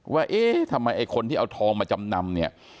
เอ๊ะทำไมไอ้คนที่เอาทองมาจำนำเนี่ย